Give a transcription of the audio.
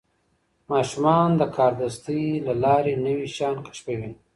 ماشومان د کاردستي له لارې نوي شیان کشفوي.